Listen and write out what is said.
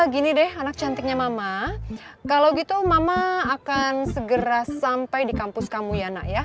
gini deh anak cantiknya mama kalau gitu mama akan segera sampai di kampus kamu ya nak ya